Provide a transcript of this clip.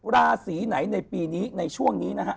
ราศีไหนในปีนี้ในช่วงนี้นะฮะ